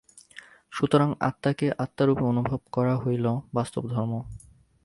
সুতরাং আত্মাকে আত্মারূপে অনুভব করাই হইল বাস্তব ধর্ম।